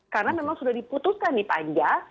karena memang sudah diputuskan di panja